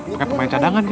pengen pemain cadangan ini